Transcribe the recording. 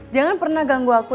jangan pernah ganggu aku